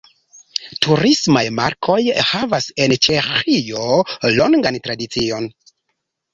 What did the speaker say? Turismaj markoj havas en Ĉeĥio longan tradicion.